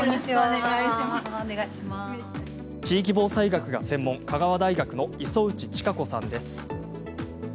地域防災学が専門の香川大学の磯打千雅子さんです。